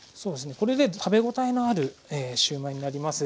これで食べ応えのあるシューマイになります。